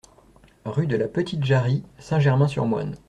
Rue de la Petite Jarrie, Saint-Germain-sur-Moine